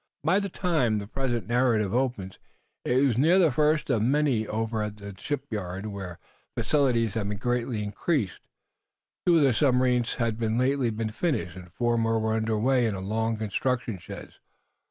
By the time the present narrative opens it was near the first of May. Over at the shipyard, where facilities had been greatly increased, two of the submarines had lately been finished, and four more were under way in long construction sheds.